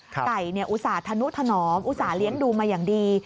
ไก่อุตส่าห์ธนุถนอมอุตส่าห์เลี้ยงดูมาอย่างดี